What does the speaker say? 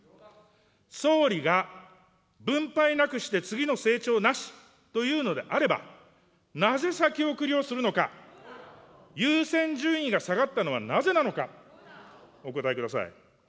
総理が分配なくして次の成長なしというのであれば、なぜ先送りをするのか、優先順位が下がったのはなぜなのか、お答えください。